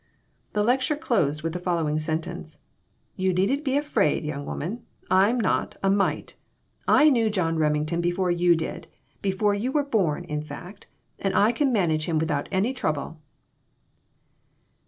The lecture closed with the following sen tence " You needn't be afraid, young woman ; I'm not, a mite. I knew John Remington before you did before you were born, in fact and I can manage him without any trouble."